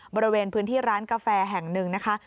บริเวณพื้นที่ร้านกาแฟแห่งหนึ่งนะคะ